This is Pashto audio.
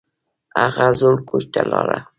هغه زوړ کوچ ته لاړه